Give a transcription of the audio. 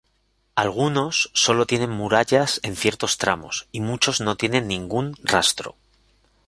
Algunos solo tienen murallas en ciertos tramos y muchos no tienen ningún rastro.